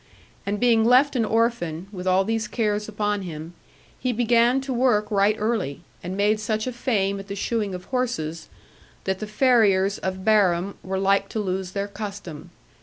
And being left an orphan (with all these cares upon him) he began to work right early, and made such a fame at the shoeing of horses, that the farriers of Barum were like to lose their custom.